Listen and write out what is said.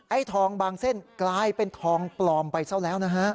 ทองบางเส้นกลายเป็นทองปลอมไปซะแล้วนะฮะ